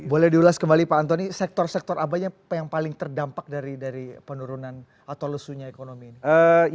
boleh diulas kembali pak antoni sektor sektor apanya yang paling terdampak dari penurunan atau lesunya ekonomi ini